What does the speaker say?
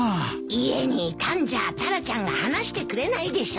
家にいたんじゃタラちゃんが離してくれないでしょ。